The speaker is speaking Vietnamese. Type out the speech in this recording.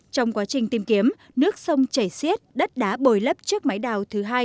trong quá trình tìm kiếm nước sông chảy xiết đất đá bồi lấp trước máy đào thứ hai